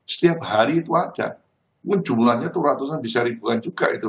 setiap hari itu aja mungkin jumlahnya itu ratusan bisa ribuan juga itu